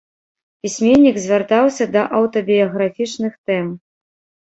Пісьменнік звяртаўся да аўтабіяграфічных тэм.